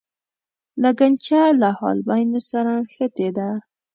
لګنچه له حالبینو سره نښتې ده.